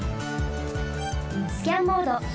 スキャンモード